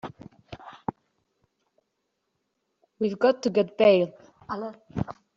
We've got to get bail.